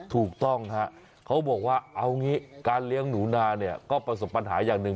ถูกต้องฮะเขาบอกว่าเอางี้การเลี้ยงหนูนาเนี่ยก็ประสบปัญหาอย่างหนึ่ง